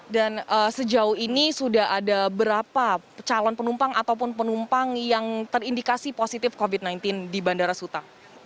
dan sejauh ini sudah ada berapa calon penumpang ataupun penumpang yang terindikasi positif covid sembilan belas di bandara suta